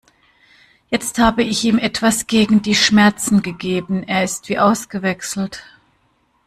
Jetzt habe ich ihm etwas gegen die Schmerzen gegeben, er ist wie ausgewechselt.